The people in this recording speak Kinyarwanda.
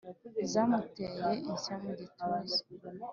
zamuteye ishya mu gituza